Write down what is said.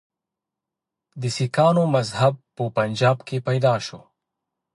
د سکانو مذهب په پنجاب کې پیدا شو.